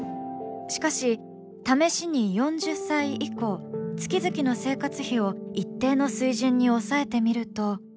しかし、試しに４０歳以降月々の生活費を一定の水準に抑えてみると。